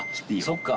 そっか！